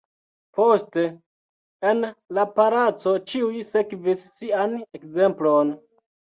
Poste, en la palaco ĉiuj sekvis Sian ekzemplon.